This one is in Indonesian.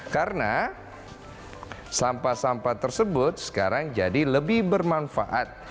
karena sampah sampah tersebut sekarang jadi lebih bermanfaat